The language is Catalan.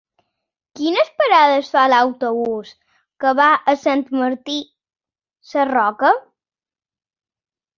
Quines parades fa l'autobús que va a Sant Martí Sarroca?